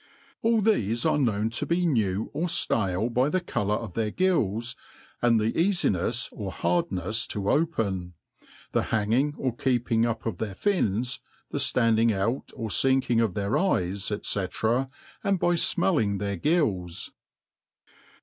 ALL thefe are known to be new or ftale by the colour of their gHJs, their, eafinefs or hardnefs to open, the hanging or keeping up their fins; the ftanding cut or linking of their eyes, &c, and by foiell^ng their gills.